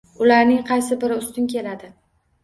Ularning qaysi biri ustun keladi